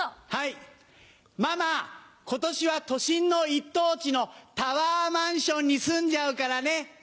ママ今年は都心の一等地のタワーマンションに住んじゃうからね。